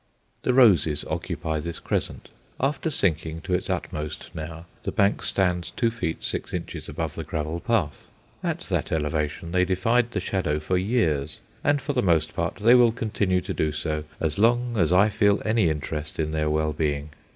The roses occupy this crescent. After sinking to its utmost now, the bank stands two feet six inches above the gravel path. At that elevation they defied the shadow for years, and for the most part they will continue to do so as long as I feel any interest in their well being.